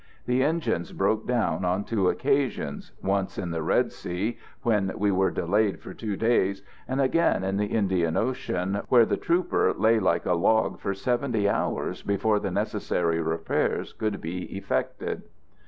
The engines broke down on two occasions, once in the Red Sea, when we were delayed for two days, and again in the Indian Ocean, where the trooper lay like a log for seventy hours before the necessary repairs could be effected.